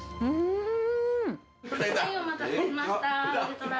お待たせしました。